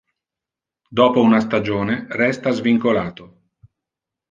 Dopo una stagione resta svincolato.